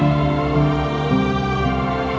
aku mau denger